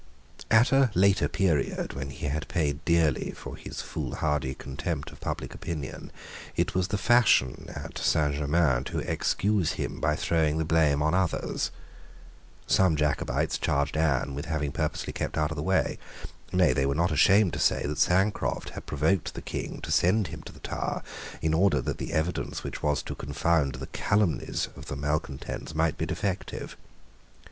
At a later period, when he had paid dearly for his foolhardy contempt of public opinion, it was the fashion at Saint Germains to excuse him by throwing the blame on others. Some Jacobites charged Anne with having purposely kept out of the way. Nay, they were not ashamed to say that Sancroft had provoked the King to send him to the Tower, in order that the evidence which was to confound the calumnies of the malecontents might be defective.